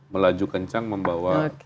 melaju kencang membawa